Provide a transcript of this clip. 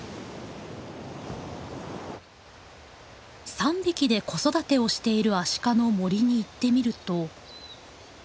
３匹で子育てをしているアシカの森に行ってみると。